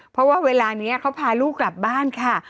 เพราะว่าเวลานี้เขาพาลูกกลับบ้านค่ะ